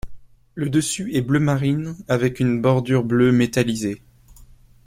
Le dessus est bleu marine avec une bordure bleu métallisé.